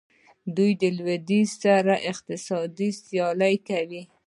دوی له لویدیځ سره اقتصادي سیالي کوي.